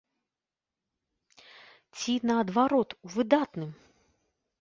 Ці, наадварот, у выдатным?